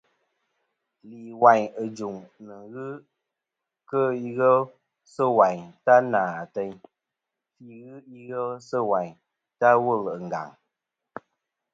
Lìwàyn ɨ jùŋ nɨ̀n ghɨ kɨ ighel sɨ̂ wàyn ta nà àteyn, fî ghɨ ighel sɨ̂ wayn ta wul ɨ ngàŋ.